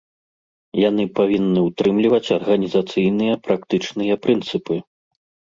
Яны павінны ўтрымліваць арганізацыйныя, практычныя прынцыпы.